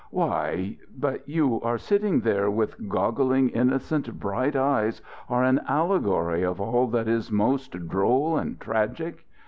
"Why, but you sitting there, with goggling innocent bright eyes, are an allegory of all that is most droll and tragic.